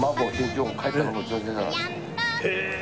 へえ！